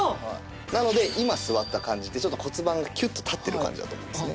なので今座った感じでちょっと骨盤がキュッと立ってる感じだと思いますね。